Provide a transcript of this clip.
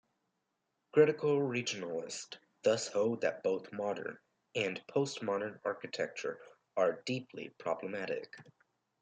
Critical Regionalists thus hold that both modern and post-modern architecture are "deeply problematic".